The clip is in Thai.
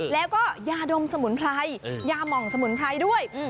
แล้วก็ยาดมสมุนไพรยาหม่องสมุนไพรด้วย